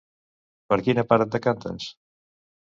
Per quina part et decantes?